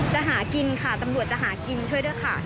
จะหากินค่ะตำรวจจะหากินช่วยด้วยค่ะ